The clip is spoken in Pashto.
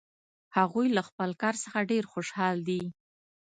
هغوی له خپل کار څخه ډېر خوشحال دي